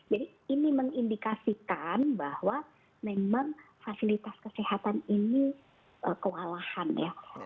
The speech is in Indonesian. jadi ini mengindikasikan bahwa memang fasilitas kesehatan ini kewalahan ya